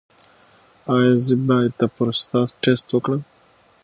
ایا زه باید د پروستات ټسټ وکړم؟